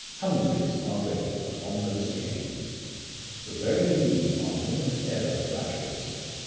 Hundreds are ready upon those occasions. The very needy are almost ever flatterers.